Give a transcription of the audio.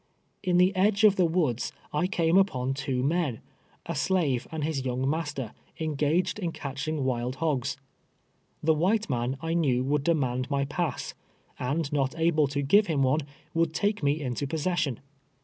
In the edge of tlie woods I came upon two men, a slave and his youno' master, en2:ao:ed in catching wild hogs. Tlic white man I knew would demand my pass, and not able to give him one, would take me into possession.